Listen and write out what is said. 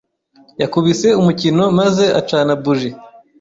Yakubise umukino maze acana buji.